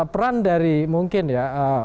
peran dari mungkin ya